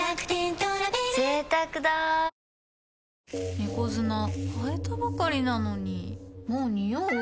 猫砂替えたばかりなのにもうニオう？